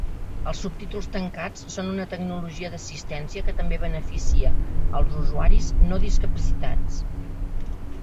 Els subtítols tancats són una tecnologia d'assistència que també beneficia els usuaris no discapacitats.